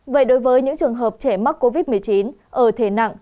vậy đối với những trường hợp trẻ mắc covid một mươi chín ở thể nặng